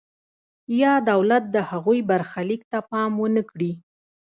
یا دولت د هغوی برخلیک ته پام ونکړي.